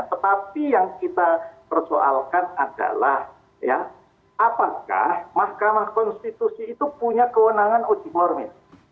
tetapi yang kita persoalkan adalah ya apakah mahkamah konstitusi itu punya kewenangan uji formil